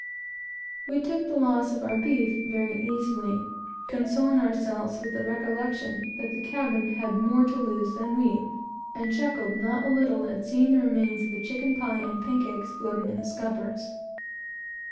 We took the loss of our beef very easily, consoling ourselves with the recollection that the cabin had more to lose than we; and chuckled not a little at seeing the remains of the chicken pie and pan cakes floating in the scuppers.